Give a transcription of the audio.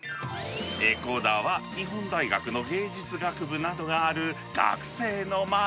江古田は日本大学の芸術学部などがある、学生の街。